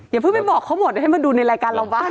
อย่าเพิ่งไปบอกเขาหมดให้มาดูในรายการเราบ้าง